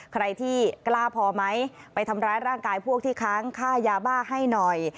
ใครที่กล้าพอไหมไปทำร้ายร่างกายพวกที่ค้างค่ายาบ้าให้หน่อย